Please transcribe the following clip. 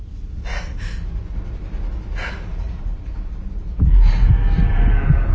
あっ。